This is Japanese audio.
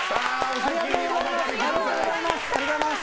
ありがとうございます。